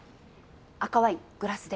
赤ワイングラスで。